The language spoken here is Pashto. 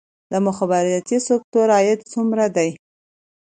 د مخابراتي سکتور عاید څومره دی؟